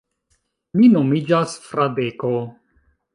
Mi nomiĝas Fradeko.